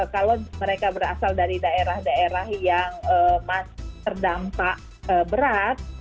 kalau mereka berasal dari daerah daerah yang terdampak berat